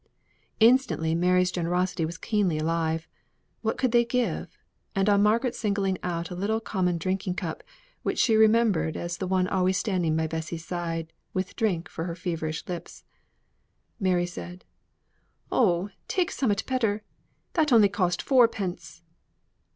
Instantly Mary's generosity was keenly alive. What could they give? And on Margaret's singling out a little common drinking cup, which she remembered as the one always standing by Bessy's side with a drink for her feverish lips, Mary said: "Oh, take summat better; that only cost fourpence!"